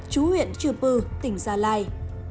chú huyện chư pư tỉnh gia lai